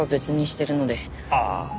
ああ。